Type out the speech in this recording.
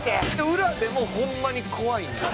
裏でもホンマに怖いんで。